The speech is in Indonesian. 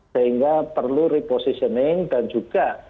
sehingga perlu repositioning dan juga